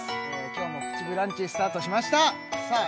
今日も「プチブランチ」スタートしましたさあ